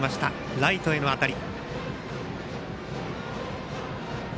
ライトへの当たり。